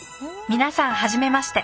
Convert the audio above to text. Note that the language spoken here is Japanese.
皆さん初めまして。